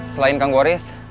selain kang boris